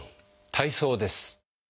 体操です。